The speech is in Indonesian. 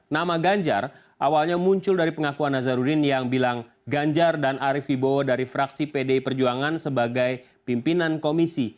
nama ganjar awalnya muncul dari pengakuan nazarudin yang bilang ganjar dan arief ibowo dari fraksi pdi perjuangan sebagai pimpinan komisi